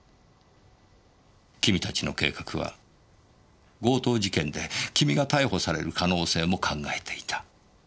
君たちの計画は強盗事件で君が逮捕される可能性も考えていた。